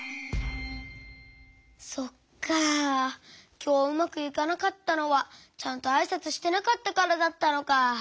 きょううまくいかなかったのはちゃんとあいさつしてなかったからだったのか。